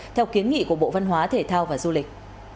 theo kiến nghị của bộ văn hóa thể thao và du lịch